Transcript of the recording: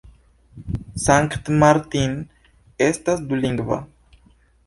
Sankt Martin estas dulingva.